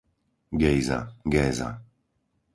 Gejza, Géza